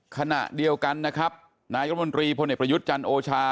ขณะเดียวกันนะครับนายรัฐมนตรีพลเอกประยุทธ์จันทร์โอชา